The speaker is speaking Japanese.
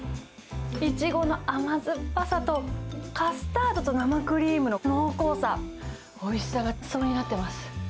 イチゴの甘酸っぱさとカスタードと生クリームの濃厚さ、おいしさが積み上がってます。